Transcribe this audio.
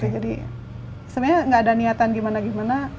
jadi sebenarnya nggak ada niatan gimana gimana